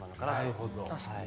なるほど。